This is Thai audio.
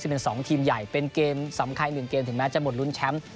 เป็น๒ทีมใหญ่เป็นเกมสำคัญ๑เกมถึงแม้จะหมดลุ้นแชมป์